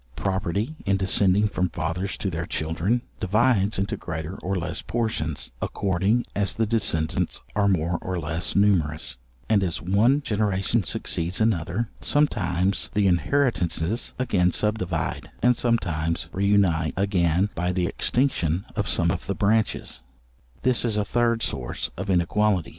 —Property in descending from fathers to their children, divides into greater or less portions, according as the descendants are more or less numerous, and as one generation succeeds another, sometimes the inheritances again subdivide, and sometimes re unite again by the extinction of some of the branches; this is a third source of inequality.